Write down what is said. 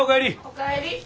お帰り。